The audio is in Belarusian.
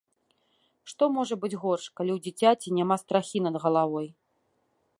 Што можа быць горш, калі ў дзіцяці няма страхі над галавой.